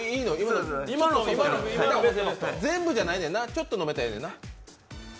全部じゃないねんなちょっと飲めたらええねんな。